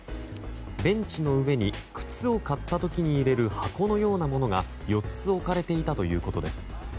ベンチの上に靴を買った時に入れる箱のようなものが４つ、置かれていたということです。